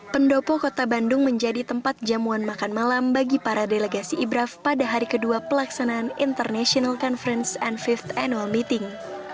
pendopo kota bandung menjadi tempat jamuan makan malam bagi para delegasi ibraf pada hari kedua pelaksanaan international conference and five annual meeting